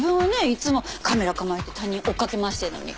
いつもカメラ構えて他人追っかけ回してるのに。